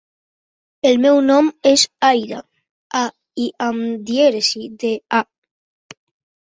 El meu nom és Aïda: a, i amb dièresi, de, a.